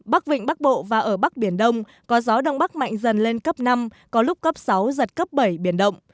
bắc vịnh bắc bộ và ở bắc biển đông có gió đông bắc mạnh dần lên cấp năm có lúc cấp sáu giật cấp bảy biển động